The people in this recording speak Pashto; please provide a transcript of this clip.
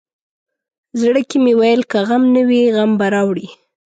زړه کې مې ویل که غم نه وي غم به راوړي.